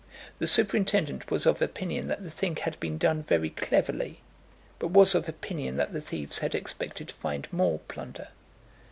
The superintendent was of opinion that the thing had been done very cleverly, but was of opinion that the thieves had expected to find more plunder.